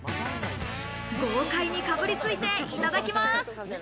豪快にかぶりついて、いただきます。